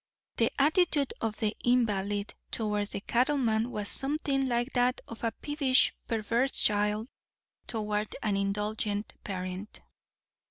The attitude of the invalid toward the cattleman was something like that of a peevish, perverse child toward an indulgent parent.